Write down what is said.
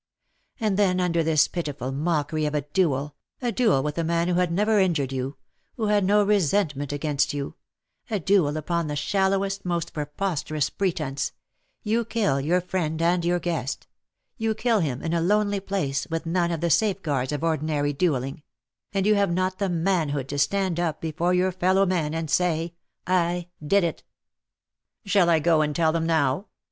And then, under this pitiful mockery of a duel — a duel with a man who had never injured you, who had no resentment against you — a duel upon the shallowest, most preposterous pretence — you kill your friend and jonr guest — you kill him in a lonely place, with none of the safeguards of ordinary duelling ; and you have not the manhood to stand up before your fellow men, and say, ^ I did it.'''''' 297 " Shall I go aDd tell them now?"